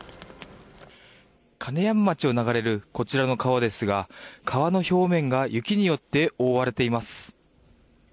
金山町を流れるこちらの川ですが川の表面が雪によって覆われています。